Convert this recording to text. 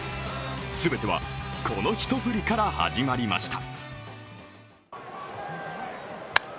全ては、この一振りから始まりました。